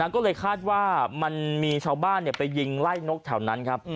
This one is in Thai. ก็เลยคาดว่ามันมีชาวบ้านไปยิงไล่นกแถวนั้นครับ